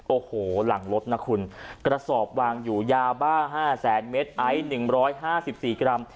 โอ้โหหลังรถนะคุณกระสอบวางอยู่ยาบ้า๕แสนเมตรไอซ์๑๕๔กรัม